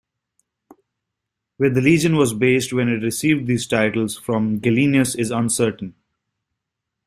Where the legion was based when it received these titles from Gallienus is uncertain.